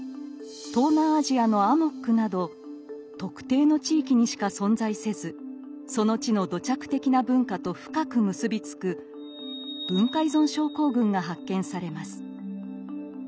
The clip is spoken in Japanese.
東南アジアの「アモック」など特定の地域にしか存在せずその地の土着的な文化と深く結び付く「文化依存症候群」が発見されます。